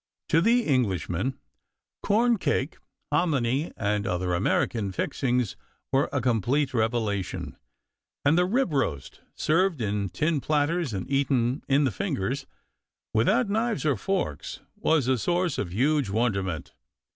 To the Englishmen corn cake, hominy, and other American fixings were a complete revelation, and the rib roast, served in tin platters and eaten in the fingers, without knives or forks, was a source of huge wonderment.